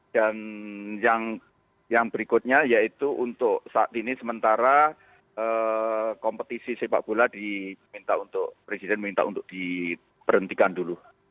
dan yang berikutnya yaitu untuk saat ini sementara kompetisi sepak bola diperhentikan dulu